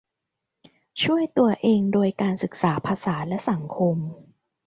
ช่วยตัวเองโดยการศึกษาภาษาและสังคม